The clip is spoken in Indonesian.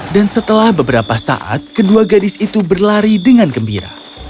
dan setelah beberapa saat kedua gadis itu berlari dengan gembira